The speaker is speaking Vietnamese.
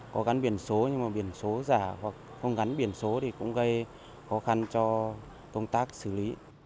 có gắn biển số nhưng mà biển số giả hoặc không gắn biển số thì cũng gây khó khăn cho công tác xử lý